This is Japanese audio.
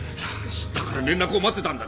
だから連絡を待ってたんだ！